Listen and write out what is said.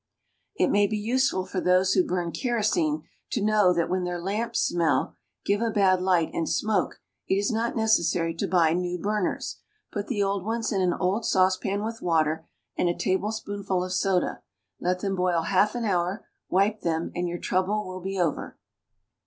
It may be useful for those who burn kerosene to know that when their lamps smell, give a bad light, and smoke, it is not necessary to buy new burners. Put the old ones in an old saucepan with water and a tablespoonful of soda, let them boil half an hour, wipe them, and your trouble will be over.